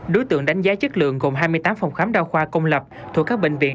đối tượng đánh giá chất lượng gồm hai mươi tám phòng khám đa khoa công lập thuộc các bệnh viện